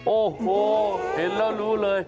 โอ้โหเห็นแล้วรู้เลย